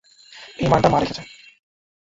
এই মানটা মা রেখেছে।